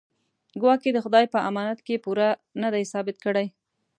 ګواکې د خدای په امانت کې پوره نه دی ثابت کړی.